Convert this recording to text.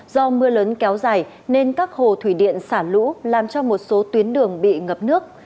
do mưa lớn kéo dài nên các hồ thủy điện xả lũ làm cho một số tuyến đường bị ngập nước